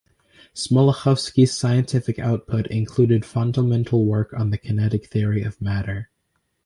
Smoluchowski's scientific output included fundamental work on the kinetic theory of matter.